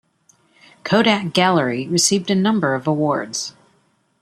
Kodak Gallery received a number of awards.